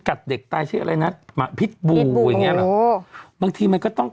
กัดเด็กตายชื่ออะไรนะผิดบูผิดบูอย่างเงี้ยโอ้โหบางทีมันก็ต้อง